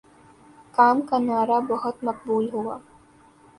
کام کا نعرہ بہت مقبول ہوا